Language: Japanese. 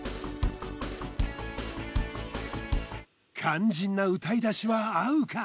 肝心な歌い出しは合うか？